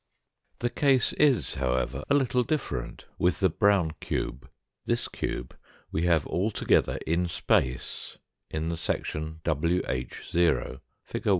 The case is, however, a little different with the brown cube. This cube we have altogether in space in the section ivh 6 , fig.